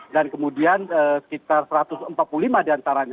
dan kemudian sekitar satu ratus empat puluh lima diantaranya